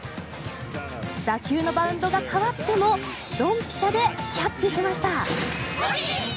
打球のバウンドが変わってもドンピシャでキャッチしました。